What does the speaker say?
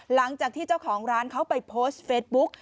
หลังจากที่เจ้าของร้านเขาไปโพสต์เฟซบุ๊ก